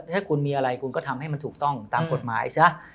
ถ้าคุณมีอะไรคุณก็ทำให้มันถูกต้องตามกฎหมายซะ